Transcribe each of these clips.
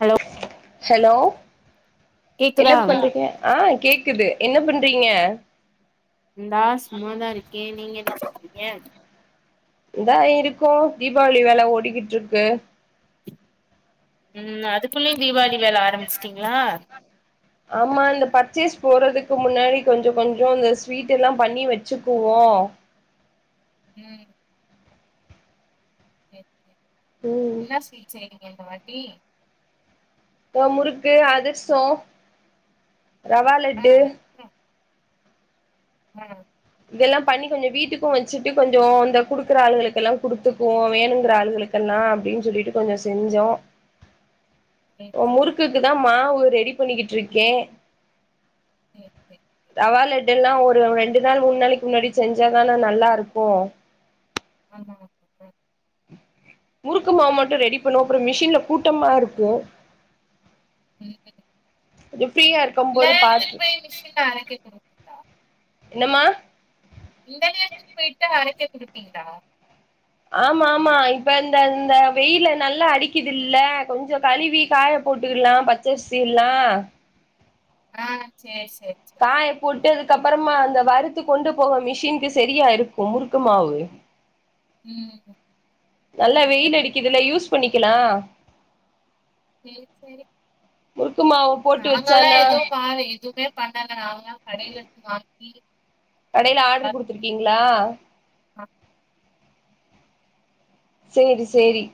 Hello hello என்ன கேக்குதா பண்ட்றிங்க அ கேக்குது என்ன பண்றீங்க நா சும்மாதா இருக்கே நீங்க என்ன பன்றீங்க இந்தா இருக்கோ தீபாவளி வேல ஓடிக்கிட்டு இருக்கு ம் அதுக்குள்ளயு தீவாளி வேல ஆரம்பிச்சிட்டீங்ளா ஆமா இந்த பர்ச்சேஸ் போறதுக்கு முன்னாடி கொஞ்ச கொஞ்ச இந்த ஸ்வீட் எல்லா பண்ணி வச்சிக்குவோ ஆ ம் சேரி சேரி ம் என்ன ஸ்வீட் செய்றீங்க இந்த வாட்டி இப்போ முறுக்கு அதிர்சோ ரவா லட்டு ம் இதெல்லா பண்ணி கொஞ்சோ வீட்டுக்கு வச்சிட்டு கொஞ்சோ இந்த குடுக்குற ஆளுகளுக்கெல்லா குடுத்துக்குவோ வேணுங்கிற ஆளுகளுக்கெல்லா ஆ அப்டின்னு சொல்லிட்டு கொஞ்சோ செஞ்சா சேரி சேரி முறுக்குக்குதா மாவு ரெடி பண்ணிகிற்றுருக்கே சேரி சேரி ரவா லட்டெல்லா ஒரு ரெண்டு நாள் மூணு நாளைக்கி முன்னாடி செஞ்சாதான நல்லா இருக்கு ஆமா அதே முறுக்கு மாவு மட்டு ரெடி பண்ணுவோ அப்புற மிஷின்ல கூட்டமா இருக்கு ம் கொஞ்சோ ஃப்ரீயா இருக்கும் போது இன்நேரத்துக்கு பாத்து போய் மிஷின்ல அரைக்க குடுப்பீங்களா என்னம்மா இந்த நேரதுக்கு போயிட்டு அரைக்க குடுப்பீங்ளா ஆமா ஆமா இப்ப இந்த அந்த வெயிலு நல்லா அடிக்குது இல்ல கொஞ்சோ கழுவி காய போட்டுக்கலா பச்சரிசிலா ஆ சேரி சேரி சேரி காய போட் டதுக்கு அப்புறமா அந்த வறுத்து கொண்டு போக மிஷின்கு சரியா இருக்கு முறுக்கு மாவு ம் நல்லா கரெக்ட்டு வெயில் தா அடிக்குதுல யூஸ் பண்ணிக்கலா சேரி சேரி முறுக்கு மாவு போட்டு நாங்கல்லா வச்சானா எதுவு பாறே எதுவுமே பண்ணல நாங்கலா கடேலருந்து வாங்கி கடையில ஆர்டரு எல்லாத்துக்கு குடுத்துருக்கீங்களா ஆ சேரி சேரி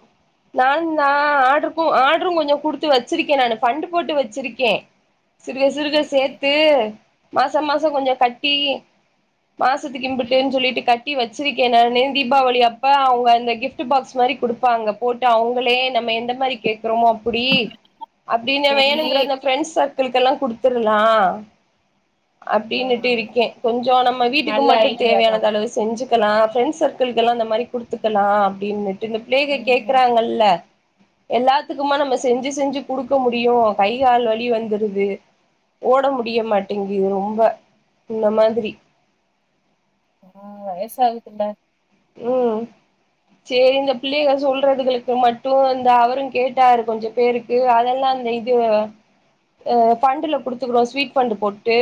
நானு நா ஆர்டருக்கு ஆர்டரு கொஞ்சோ குடுத்து வச்சிருக்கே நானு பண்டு போட்டு வச்சிருக்கே சிருக சிருக சேரி சேத்து சேரி மாச மாச கொஞ்சோ கட்டி மாசத்துக்கு ம் இம்புட்டுன்னு சொல்லிட்டு கட்டி வச்சிருக்கே நானு தீபாவளி அப்ப அவுங்க அந்த கிஃப்ட் கிப்ட் பாக்ஸ் மாரி குடுப்பாங்க போட்டு அவங்களே நம்ம எந்த மாரி கேட் றோம் அப்டி அப்டின்னு சேரி வேணுங்கரத பிரெண்ட்ஸ் சர்க் ஒங்களுக்கெல்லா கொடுத்துருலா ஆ அப்டின்னுட்டு இருக்கே கொஞ்சோ நம்ம வீட்டுக்கு நல்ல மட்டு ஐடியா தான் தேவையானதளவு செஞ்சு க்கலா ப்ரெண்ட்ஸ் சர்க்கிள்க்கெல்லா அ இந்த மாரி குடுத்துக்கலா அப்டின்னுட்டு இந்த பிளேவே ம் கேக்குறாங்கல்ல எல்லாத்துக்குமா நம்ம செஞ்சு செஞ்சு குடுக்க முடியு கை கால் வழி வந்துருது ஓட முடிய மாட்டேங்கிது ரொம்ப முன்ன மாதிரி ம் வயசாகுதுல ஓ சரி இந்த பிள்ளைகள் சொல்றதுகளுக்கு மட்டும் இந்தா அவரும் கேட்டாரு கொஞ்சம் பேருக்கு அதெல்லாம் அந்த இது பண்டல குடுத்துக்கறோம் ஸ்வீட் பண்ட போட்டு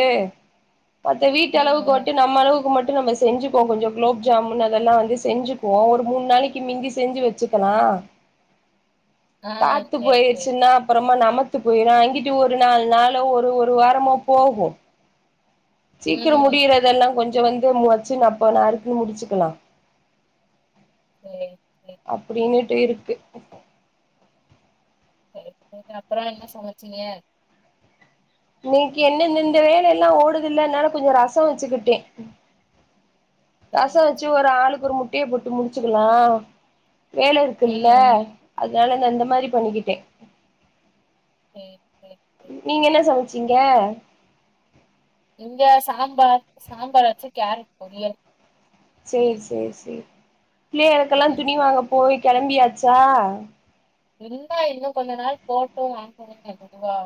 மத்த ம் வீட்டளவுக்கு ம் மட்டு நம்மளவுக்கு மட்டு நம்ம செஞ்சிக்குவோ கொஞ்சோ குலோப் ஜாமுன் அ எல்லாம் வந்து செஞ்சுக்குவோம் ஒரு மூணு நாளைக்கு மிந்தி செஞ்சு வச்சுக்கலாம் ஆ காத்து சரி சரி போயிர்ச்சுன்னா அப்பறோ நம் நமத்து போயிடும் அங்கிட்டு ஒரு நாலு நாளோ ஒரு ஒரு வாரமோ போகும் சீக்கிர ம் முடியிறதெல்லா கொஞ் வந்து முச்சு அப்ப நருக்குன்னு முடிச்சுக்கலாம் இயை அப்டின்னுட்டு இருக்கு சேர் சேரி அப்புற என்ன சமச்சிங்க நீக்கி என்னன்னந்த வேலல்லா ஓடுதுல்ல அதனால கொஞ்ச ரச வச்சுக்கிட்டே சரி ரச வச்சு சரி ஒரு ஆளுக்கு ஒரு முட்டய போட்டு முடிச்சுக்கலா வேல ம் இருக்குல்ல ம் அதனால இந்த அந்த மாதிரி பண்ணிக்கிட்ட சேர் சேர் நீங் என்ன சமச்சீங்க இங்க சாம்பார் சாம்பார் வச்சு கேரட் பொரியல் சேர் சேர் செரி ரி பிள்ளைக்ளுக்கெல்லா ம் துணி வாங்க போய் கிளம்பியாச்சா இன்னா இன்னு கொஞ்ச நாள் போட்டு வாங்கணும் பொதுவா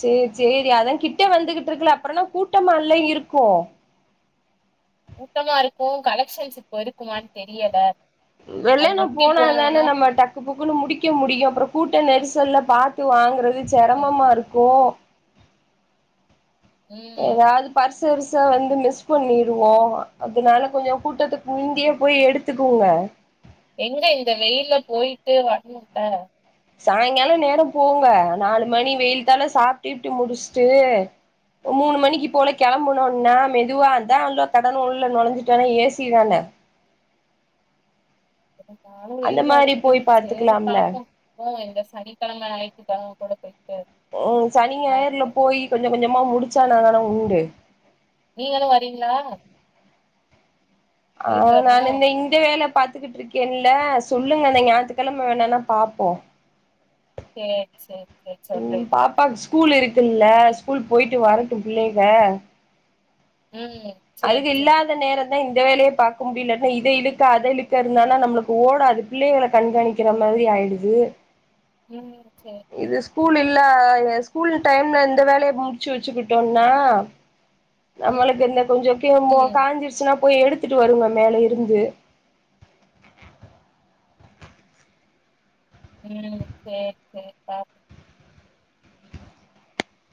சேர் சேரி அதா கிட்ட வந்துகிட்ருக்குல அப்றனா கூட்டமால்லா இருக்கு ஊட்டமா இருக்கு கலெக்ஷன்ஸ் இப்போ இருக்குமானு தெரியல அது வெள்ளன்ன ஒட்டி போனா தான போனோம்னா நம்ம டக்கு போக்குன்னு முடிக்க முடியு அப்ற கூட்ட நெரிச சொல்ல பாத்து வாங்குறது ம் செரமமா இருக்கு ம், எதாவ்து பர்ஸ் சருசா வந்து மிஸ் பண்ணிருவோ அதனால கொஞ்ச கூட்டத்துக்கு முந்தியே போய் எடுத்துக்கோங்க எங்க இந்த வெயில போயிட்டு வருனும்ல சாயங்காலம் நேரம் போங்க நாலு மணி வெயிய் தாழ சாப்டிட்டு முடிச்சுட்டு மூணு மணிக்கு போல கிளம்புனோம்னா மெதுவாதா உள்ளோ கடன் உள்ள நுழஞ்சிட்டோனா ஏ சி தானே இருந்தாலு அந்த வெயில் மாரி அடிக்குது போய் சேரி பாத்துக்கலாம்ல பாப்போம் போவோ இந்த சனிக்கிழம ஞாயித்திக்கிழம ம் சனி ஞாயர்ல போயி கொஞ்சோ கொஞ்சமா முடிச்சா நா தானே உண்டு நீங்களும் வரீங்களா ஆ போயிட்டு நான் வருவோம் இந்த இந்த வேல பாத்து பாத்துக்கிட்டு இருக்கேன்ல சொல்லுங்க இந்த ஞாயித்துக்கெழம வேனுன்னா பாப்போ சேரி சேரி சேரி ம் சொல்றேன் நான் பாப்பாக்கு ஸ்கூல் இருக்குல்ல ஸ்கூல் போயிட்டு வரட்டும் பிள்ளைக ம் சேரி சேரி என்னா இந்த வேலைய பாக்கா முடியலன்ன இத இழுக்க அத இழுக்க இருந்தாலா நம்மளுக்கு ஓடாது பிள்ளைகள கண்காணிக்கிற மாரி மாதி ஆயிடுது ம் சேரி சேரி இது ஸ்கூல் இல்ல ஸ்கூல் டைம்ல இந்த வேலைய முடிச்சி வெச்சுக்கிட்டோனா ம் நம்மளுக்கு இந்த கொஞ்சோ கே மோ காஞ்சிருச்சினா போய் எடுத்துட்டு வருங்க மேல இருந்து ம் சேரி சேரி பாப்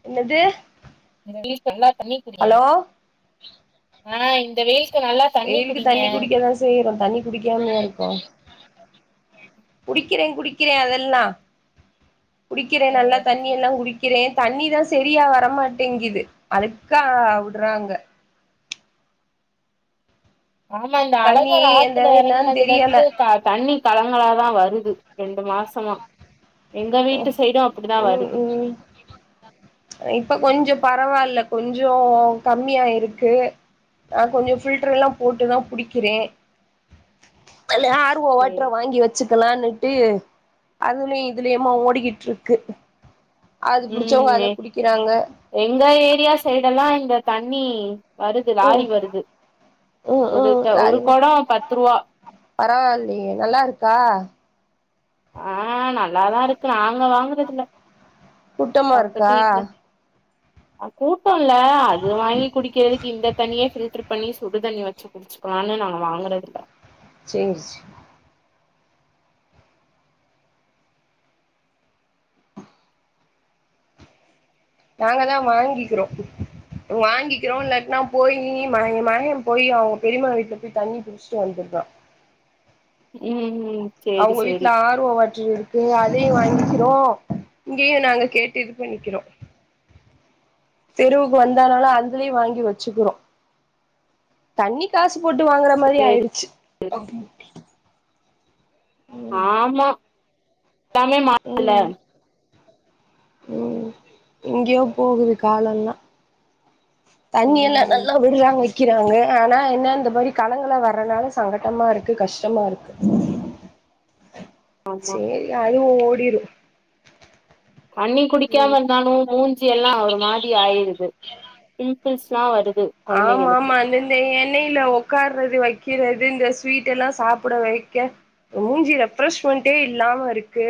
என்னது பீஸ் ஃபுல்லா ஹலோ ஆ இந்த வெயில் வெயிலுக்கு தண்ணி குடிக்காதா செய்யிறோ தண்ணி குடிக்காமயா இருக்கோ குடிக்கிறே குடிக்கிறே அதெல்லா குடிக்கிறே நல்லா சேரி தண்ணி சேரி எல்லா குடிக்கிறேன் தண்ணிதா செரியா வரமாட்டேங்குது அழுக்கா விட்றாங்க ஆமா இந்த தண்ணி அழகர் எந்த ஆத்துல என்னன்னு இறங்குனதுல தெரியல இருந்து தண்ணி களங்களாதா வருது ரெண்டு மாசமா எங்க வீட்டு சைடும் அப்படிதா ம் வருது ம் இப்ப கொஞ்சோ பரவால்ல கொஞ்சோ கம்மியாயிருக்கு நா கொஞ்சோ பில்டர் எல்லா போட்டுதா புடிக்கிறே இல்லனா ஆர்வோ சேரி வாட்டர வாங்கி வெச்சுக்கலான்னு ட்டு அதுலயு இதுலயுமா ஓடிக்கிட்டுட்ருக்கு ம் எங்க ஏரியா சைட்டேல்லா இந்த தண்ணி வருது லாரி ம் வருது ம் ஒரு த ஒரு குடோ பத்து ரூபா பரவால்லையே நல்லா இருக்கா ஆ நல்லாதா இருக்கு நாங்க வாங்கறதில்ல கூட்டமா இருக்கா கூட்டோ இல்ல அது வாங்கி குடிக்கிறதுக்கு இந்த தண்ணியே பில்டர் பண்ணி சுடு தண்ணி வச்சு குடிச்சுக்கலான்னு நாங்க வாங்குறதுல்ல செர் செர் நாங்க தா வாங்கிக்கிறோ வாங்கிக்கிறோ இல்லாட்டினா போயி மக மகேன் போய் அவுங்க பெரியம்மா வீட்டுல போய் தண்ணி புடிச்சிட்டு வந்துட்றான் ம் சேரி அவுங்க வீட்டுல சேரி ஆர் ஓ வாட்டர் இருக்கு அதயு வாங்கி கிறோ இங்கேயு நாங்க கேட்டு இது பண்ணிக்கிறோ தெருவுக்கு வந்தானாலு அதுலயு வாங்கி வெச்சுக்கிறோ தண்ணி காசு போட் டு வாங்குற மாரி ஆயிடுச்சு ம் ஆமா [inaudible] லாமே [inaudible] ம் ம் எங்கேயோ போகுது காலோல்லா தண்ணி எல்லா ம் நல்லா விடுறாங்க க்கிறாங்க ஆனா என்ன இந்த மாரி கலங்கலா வர்றனால சங்கட்டமா இருக்கு கஷ்டமாருக்கு ஆமா சேரி அது ஓடிடு தண்ணி குடிக்காம இருந்தாலு மூஞ்சி எல்லா ஒரு மாதி ஆயிடுது பிம்பிள்ஸ்லா வரு ஆமாமா இந்தந்த எண்ணெயில உக்காறது வைக் கிறது இந்த ஸ்வீட் எல்லா சாப்புட வைக்க மூஞ்சி ரெப்ரெஷ்மெண்டே இல்லாம ருக்கு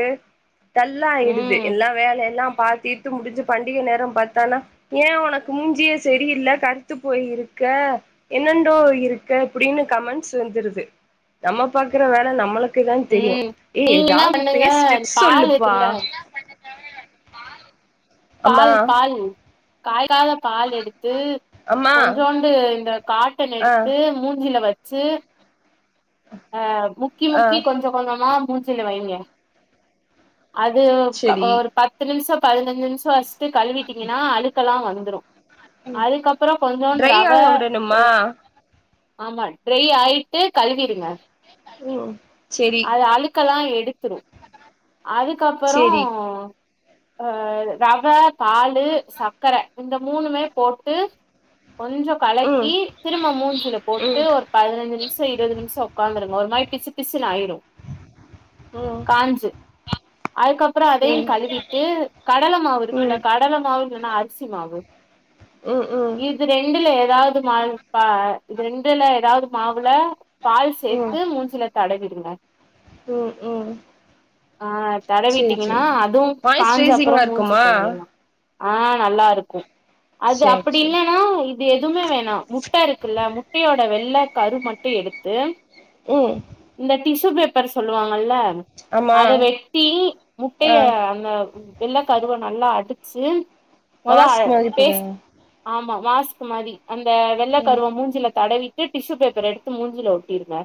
டல்லா ஆயிடுது ம் எல்லா வேலையெல்லா பாத்தீட்டு முடிஞ்சு பண்டிகை நேரம் பாத்தானா ஏ உனக்கு மூஞ்சியே சரியில்ல கரு த்து போயிருக்க என்னன்டோ இருக்க இப்புடின்னு கமெண்ட்ஸ் வந்துருது நம்ம பாக்குற வேல நம்மளுக் க்குதா தெரியு ம் ஏ நீங்க என்ன எதாவது பண்ணுங்க ஃபேஸ் டிப்ஸ் பால் சொல்லுப்பா இருக்குல்ல அம்மா பால் பால் காய் க்காத பால் எடுத்து அம்மா கொஞ்சோண்டு இந்த காட்டன் ஆ எடுத்து மூஞ்சில வச் சு அ முக்கி ஆ முக்கி கொஞ்சோ கொஞ்சமா மூச்சில வைங்க அது ஒரு ப செரி ஒரு பத்து நிமிஷொ பதினஞ்சு நிமிஷொ வச்சுட்டு கழுவிட்டீங்கன்னா அழுக்கெல்லா வந் துரு அதுக்கப்பறொ கொஞ்சோண்டு ட்ரை ரவ ஆக ஒ விடணுமா ஆமா ட்ரை ஆயிட்டு கழுவிடுங்க. ம் செரி க்கல்லா எடுத்துரு அதுக்கப்பறொ செரி ஆ ரவ பாலு சக்கர இந்த மூணுமே போட்டு கொஞ்சொ ம் கலக்கி திரும்ப மூஞ்சியில போட்டு ம் ஒரு பதினஞ்சு நிமிஷொ இருவது நிமிஷொ உக்காந்துரு ஒரு மாரி பிசு பிசுனு ஆயிடு ம் காஞ்சு அதுக்கப்பறொ ம் அதையு ம் கழுவிட்டு கடல மாவு இருக்குல்ல ம் கடல மாவு இல்லன்னா அரிசி மாவு இது ரெண்டுல எதாவ்து மான் பா இது ரெண்டுல எதாவ்து மாவுல பால் ம் ம் சேர்த்து மூஞ்சில தடவிடுங்க ம் ம் ஆ சேரி சேரி தடவிட்டீங்கன்னா அதுவு காஞ்ச அப்பறொ மாய்ஸ்ட்ரைசிங்கா மூஞ்சி இருக்குமா கழுவியர்ல்லா ஆ நல்லா இருக்கு அது சேரி அப்படி சேரி இல்லன்னா இது எ எதுவுமே வேணா முட்ட இருக்குல்ல முட்டையோட வெள்ள கரு மட்டு எடுத்து ம் டிஷு பேப்பர் சொல்லுவாங்கல ஆமா அத வெட்டி ஆ முட்டைய அந்த ம் வெள்ள கருவ நல்லா அடிச்சு மொத அ மாஸ்க் மாரி பேஸ்ட் போடுங்க ஆமாம் மாஸ்க் மாரி அந்த வெள்ள ம் கருவ மூஞ்சில தடவிட்டு டிஷ்யூ பேப்பர் எடுத்து மூஞ்சில ஒட்டிடுங்க.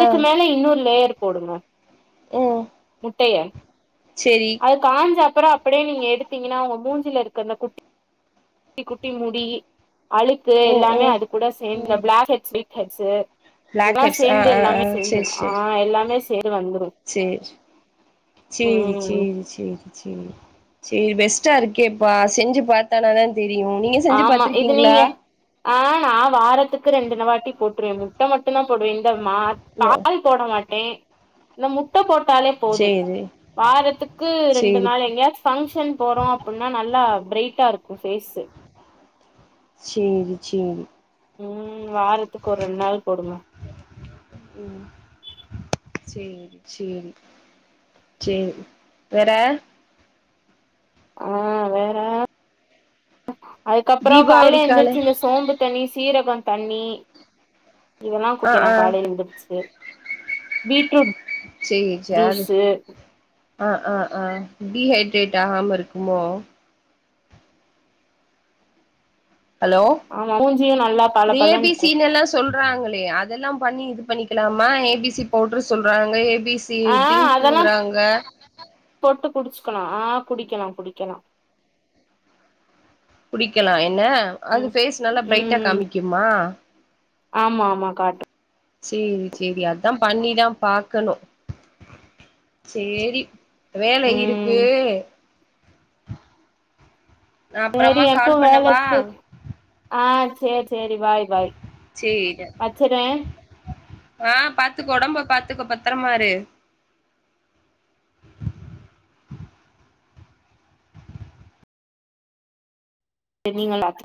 ஆ மேல இன்னொரு லேயர் போடுங்க ம் ட்டய சேரி அது காஞ்சா ப்பறொ அப்படியே நீங்க எடுத்தீங்கன்னா உங்க மூஞ்சில இருக்க அந்த குட்டி [inaudible] குட்டி குட்டி முடி அழுக்கு ம் எல்லாமே ம் அது கூட சேந் இந்த ம் black heads white heads black இதா ஹெட்ஸ் ஆ சேர்ந்து ஆ ஆ எல்லாமே சேர்ந்து சேரி ஆ எல்லாமே சேர் [inaudible] வந்துடு ஏஜ் சேரி சேரி சேரி சேரி சேரி ஃபெஸ்ட்டா இருக்கேப்பா செஞ்சு பாத்தானாதா தெரியு நீங்க செஞ்சு ஆமா இது பாத்திருக்கீங்ளா? நீங்க ஆ நா வாரத்துக்கு ரெண்டுண வாட்டி போட்டுருவே முட்ட மட்டுந்தா போடுவேன் இந்த மா நோ பால் போட மாட்டே இந்த முட்ட போட் டாலே போது சேரி வாரத்துக்கு ரெண்டு சேரி நாள் எங்கேயாச்சு ஃபங்க்ஷன் போறோ அப்டின்னா நல்லா பிரைட்டா இருக்கு ஃபேஸு செரி செரி ம் வாரத்துக்கு ஒர் ரெண்டு நாள் போடுங்க ம் சேரி சேரி சேரி வேற ஆ வேற அதுக்கப்றோ காலயில தீபாவளிக்கான எந்திரிச்சி இந்த சோம்பு தண்ணி சீரகோ தண்ணி இதெல்லா ஆ குடிக்கலா ஆ காலையில எந்திருச்சி பீட்ரூட் செ ஜானு ஜூஸு ஆ ஆ ஆ டீஹைட்ரேட் ஆகாம இருக்குமோ அலோ ஆமா மூஞ்சியு நல்லா பள இந்த ஏ பளன்னு பி இருக்கு சி ன்னெல்லா சொல்றாங்களே அதெல்லா பண்ணி இது பண்ணிக்கலாமா ஏ பி சி போட்ற சொல்றாங்க ஏ பி பிசி ஆ ட்ரிங்க்குங்றாங்க குடிச்க்லா ஆ குடிக்கலா குடிக்கலா குடிக்கலா என்ன அது ம் பேஸ் நல்லா பிரைட்டா ம் காமிக்குமா ஆமா ஆமா காட்டு செரி செரி அதா பண்ணிதா பாக்கனு செரி வேலை இருக்கு ம் நா செரி அப்றமா என்க்கு கால் பண்ணவா வேலருக்கு ஆ செரி செரி பாய் பாய் சேரி வச்சறே ஆ பாத்துக்கோ ஒடம்ப பாத்துக்கோ பத்தரமாரு செரிங்களா